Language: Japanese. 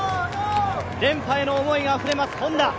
連覇への思いがあふれますＨｏｎｄａ。